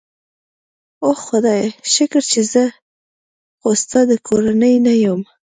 اوه خدایه، شکر چې زه خو ستا د کورنۍ نه یم.